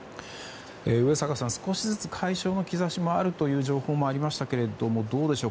上坂さん、少しずつ解消の兆しもあるという情報もありましたけれどもどうでしょう